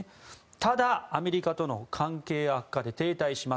ただ、アメリカとの関係悪化で停滞します。